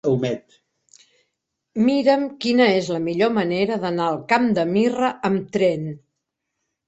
Mira'm quina és la millor manera d'anar al Camp de Mirra amb tren.